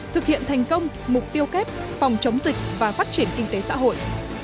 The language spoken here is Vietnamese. thực hiện thành công mục tiêu kép phòng chống dịch và phát triển kinh tế xã hội